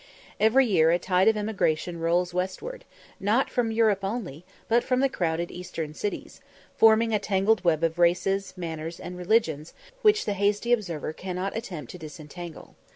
Every year a tide of emigration rolls westward, not from Europe only, but from the crowded eastern cities, forming a tangled web of races, manners, and religions which the hasty observer cannot attempt to disentangle.